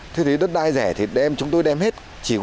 thế thì đất đai rẻ thì chúng tôi đem hết